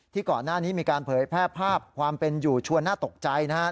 ก่อนหน้านี้มีการเผยแพร่ภาพความเป็นอยู่ชวนน่าตกใจนะครับ